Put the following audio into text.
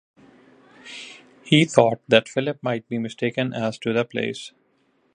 He thought that Philip might be mistaken as to the place.